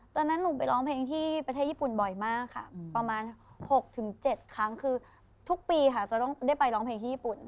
ตอนนั้นหนูไปร้องเพลงที่ประเทศญี่ปุ่นบ่อยมากค่ะประมาณ๖๗ครั้งคือทุกปีค่ะจะต้องได้ไปร้องเพลงที่ญี่ปุ่น